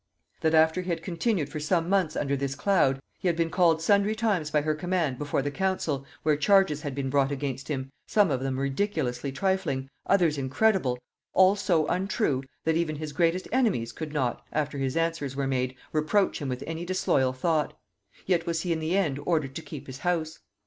That after he had continued for some months under this cloud, he had been called sundry times by her command before the council, where charges had been brought against him, some of them ridiculously trifling, others incredible, all so untrue, that even his greatest enemies could not, after his answers were made, reproach him with any disloyal thought; yet was he in the end ordered to keep his house.